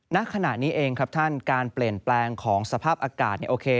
ณขณะนี้เองครับท่านการเปลี่ยนแปลงของสภาพอากาศโอเค